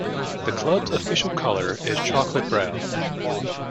The club's official colour is chocolate brown.